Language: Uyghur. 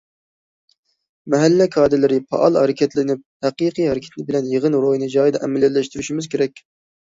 مەھەللە كادىرلىرى پائال ھەرىكەتلىنىپ، ھەقىقىي ھەرىكىتى بىلەن يىغىن روھىنى جايىدا ئەمەلىيلەشتۈرۈشىمىز كېرەك.